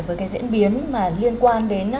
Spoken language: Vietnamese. với cái diễn biến liên quan đến